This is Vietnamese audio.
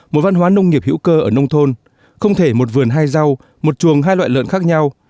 một văn hóa nông nghiệp hữu cơ ở nông thôn không thể một vườn hai rau một chuồng hai loại lợn khác nhau